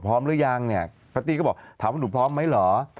หรือยังเนี่ยแพตตี้ก็บอกถามว่าหนูพร้อมไหมเหรอ